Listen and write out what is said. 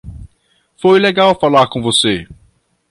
Foi legal falar com você.